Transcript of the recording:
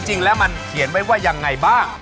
จริงแล้วมันเขียนไว้ว่ายังไงบ้าง